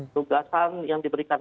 tugasan yang diberikan